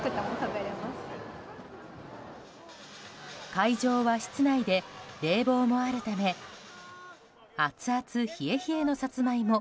会場は室内で冷房もあるためアツアツ冷え冷えのサツマイモ